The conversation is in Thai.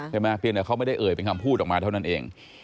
เพียงแต่เขาไม่ได้เอ่ยเป็นคำพูดออกมาเท่านั้นเอง